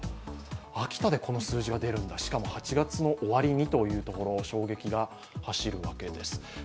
秋田でこの数字が出るんだ、しかも８月の終わりにというところに衝撃が走るわけです。